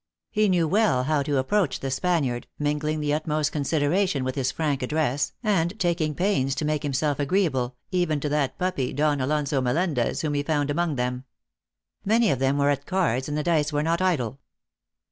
He knew well how to approach the Spaniard, mingling the utmost consideration with his frank address, and taking pains to make himself agreeable, even to that puppy, Don Alonso Melendez, whom he found among them. Many of them were at cards, and the dice were not idle.